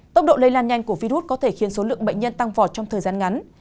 tốc độ lây lan nhanh của virus có thể khiến số lượng bệnh nhân tăng vọt trong thời gian ngắn